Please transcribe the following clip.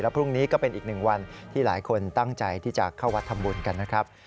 พรุ่งนี้ก็เป็นอีกหนึ่งวันที่หลายคนตั้งใจที่จะเข้าวัดทำบุญกันนะครับ